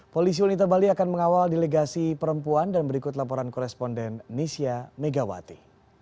polisi wanita bali akan mengawal delegasi perempuan dan berikut laporan koresponden nisya megawati